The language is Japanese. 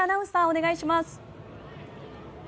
お願いします。